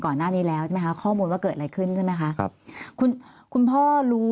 ก่อนหน้านี้แล้วใช่ไหมคะข้อมูลว่าเกิดอะไรขึ้นใช่ไหมคะครับคุณคุณพ่อรู้